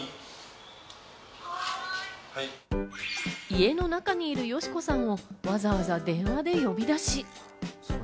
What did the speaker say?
家の中にいる佳子さんをわざわざ電話で呼び出し。